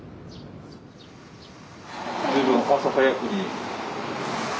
随分朝早くに。